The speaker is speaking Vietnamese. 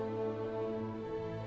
những cái vấn đề